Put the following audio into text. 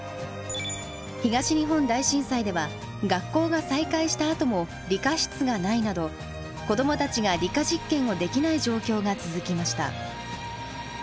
東日本大震災では学校が再開したあとも理科室がないなど子どもたちが理科実験をできない状況が続きました。